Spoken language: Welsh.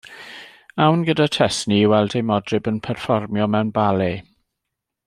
Awn gyda Tesni i weld ei modryb yn perfformio mewn bale.